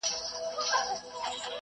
کوډینګ څنګه په اسانۍ سره زده کيدای سي؟